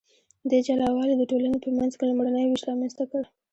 دې جلا والي د ټولنې په منځ کې لومړنی ویش رامنځته کړ.